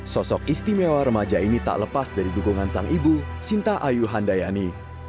sosok istimewa remaja ini tak lepas dari dukungan sang ibu sinta ayu handayani